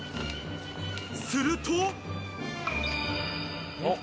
すると。